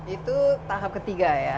itu tahap ketiga ya